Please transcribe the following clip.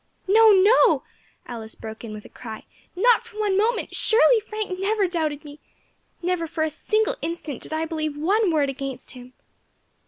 '" "No, no," Alice broke in, with a cry, "not for one moment; surely Frank never doubted me. Never for a single instant did I believe one word against him."